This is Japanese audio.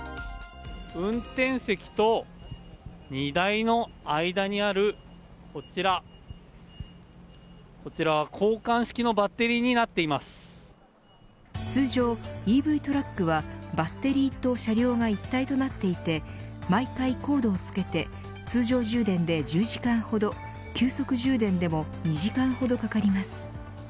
運転席と荷台の間にあるこちら、こちらは交換式のバッテリーにな通常、ＥＶトラックはバッテリーと車両が一体となっていて毎回コードを付けて通常充電で１０時間ほど急速充電でも２時間ほどかかります。